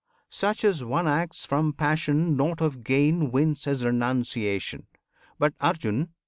Such an one acts from "passion;" nought of gain Wins his Renunciation! But, Arjun!